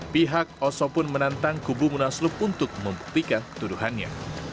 pihak oso pun menantang kubu munaslup untuk membuktikan tuduhannya